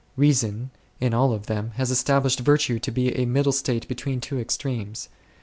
Reason, in all of them, has established virtue to be a middle state between two extremes.